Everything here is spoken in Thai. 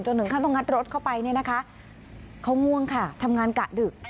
ถึงขั้นต้องงัดรถเข้าไปเนี่ยนะคะเขาง่วงค่ะทำงานกะดึก